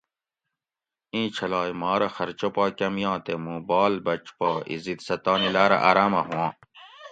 اینچھلائے ما رہ خرچہ پا کۤم یاں تے مُوں بال بۤچ پا عِزِت سہ تانی لاۤرہ آراۤمہ ہُواۤں